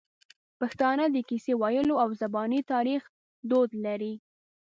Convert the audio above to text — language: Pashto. پښتانه د کیسې ویلو او زباني تاریخ دود لري.